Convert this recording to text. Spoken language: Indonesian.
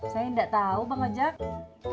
saya indah tau bang ojak